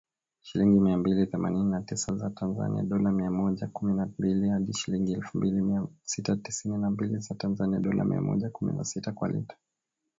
Shilingi mia mbili themanini na tisa za Tanzania (dola mia moja kumi na mbili) hadi shilingi elfu mbili mia sita tisini na mbili za Tanzania (dola mia moja kumi na sita) kwa lita